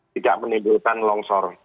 tidak menimbulkan longsor